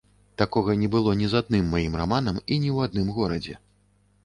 Такога не было ні з адным маім раманам і ні ў адным горадзе.